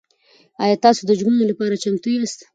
ایا تاسو د ژمنو لپاره چمتو یاست؟